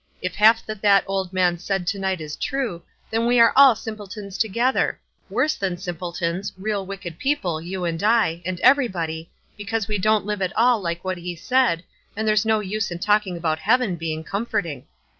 If half that that old man said to night is true, then we are all simpletons together — worse than simpletons, real wicked people, you and I ? and everybody, because we don't live at all like what he said, and there's no use in talking about heaven heins: comforting.